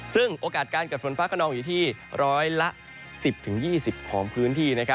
ซึ่งโอกาสการเกิดฝนฟ้าขนองอยู่ที่ร้อยละ๑๐๒๐ของพื้นที่